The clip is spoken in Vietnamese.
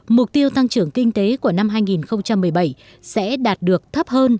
mục tiêu tăng trưởng kinh tế của năm hai nghìn một mươi bảy sẽ đạt được thấp hơn